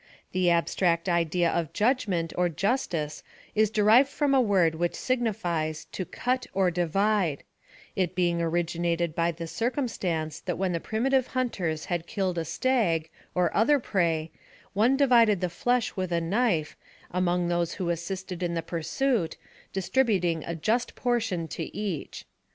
The abstract idea of judgment or justice is derived from a word which signifies to cut or divide ; it being originated by the circumstance that when the primitive hunters had killed a stag, or other prey, one divided the flesh with a knife, among those who assisted in the pur suitj distributing a just portion to each.